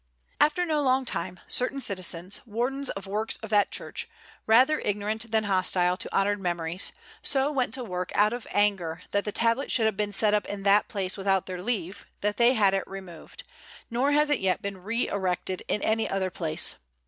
After no long time, certain citizens, Wardens of Works of that church, rather ignorant than hostile to honoured memories, so went to work out of anger that the tablet should have been set up in that place without their leave, that they had it removed; nor has it yet been re erected in any other place.